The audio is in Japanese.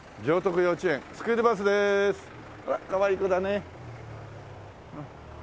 ほらかわいい子だね。